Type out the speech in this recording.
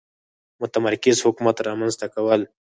متمرکز حکومت رامنځته کول.